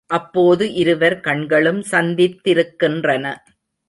அப்போது இருவர் கண்களும் சந்தித்திருக்கின்றன.